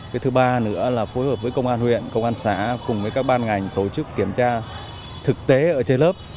cái thứ ba nữa là phối hợp với công an huyện công an xã cùng với các ban ngành tổ chức kiểm tra thực tế ở trên lớp